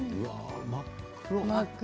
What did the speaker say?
真っ黒。